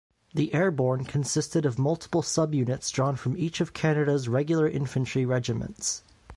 The Airborne consisted of multiple sub-units drawn from each of Canada's regular infantry regiments.